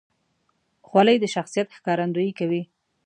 خولۍ د شخصیت ښکارندویي کوي.